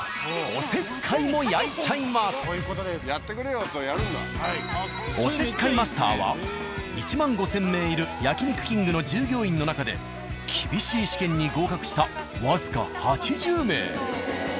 おせっかいマスターは１５，０００名いる「焼肉きんぐ」の従業員の中で厳しい試験に合格したわずか８０名。